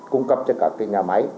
cung cấp cho các cái nhà máy